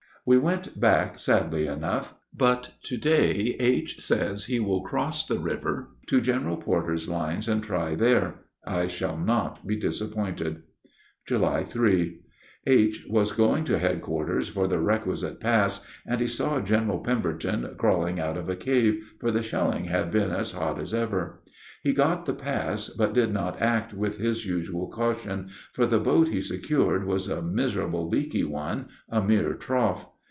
We went back sadly enough, but to day H. says he will cross the river to General Porter's lines and try there; I shall not be disappointed. July 3. H. was going to headquarters for the requisite pass, and he saw General Pemberton crawling out of a cave, for the shelling had been as hot as ever. He got the pass, but did not act with his usual caution, for the boat he secured was a miserable, leaky one a mere trough.